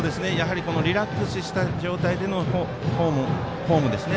リラックスした状態でのフォームですね。